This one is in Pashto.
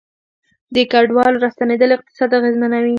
د کډوالو راستنیدل اقتصاد اغیزمنوي